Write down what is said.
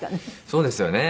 そうですよね。